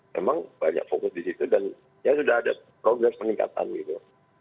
memang banyak fokus di situ dan ya sudah ada progres peningkatan gitu